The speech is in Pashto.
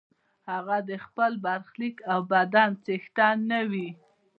هغه د خپل برخلیک او بدن څښتن نه وي.